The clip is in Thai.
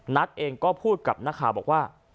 นัทเองก็พูดกับนักข่าวบอกว่า